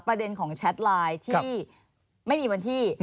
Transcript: ประเด็นของแชทไลน์ที่ไม่มีวันที่